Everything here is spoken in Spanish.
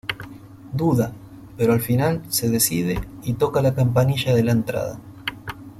Duda, pero al fin se decide y toca la campanilla de la entrada.